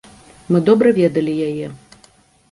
Мы добра ведалі яе.